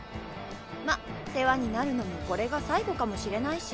まっ世話になるのもこれが最後かもしれないし。